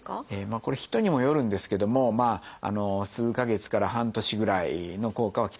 これ人にもよるんですけども数か月から半年ぐらいの効果は期待できることが多いですね。